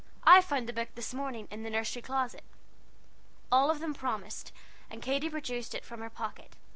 I found the book, this morning, in the nursery closet." All of them promised, and Katy produced it from her pocket.